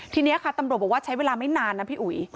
ทีนี้ค่ะตำรวจบอกว่าใช้เวลาไม่นานนะพี่อุ๋ย